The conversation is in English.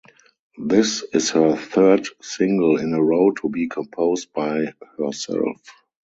This is her third single in a row to be composed by herself.